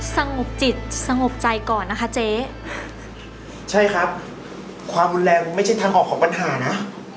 สงบจิตสงบใจก่อนนะคะเจ๊ใช่ครับความรุนแรงไม่ใช่ทางออกของปัญหานะ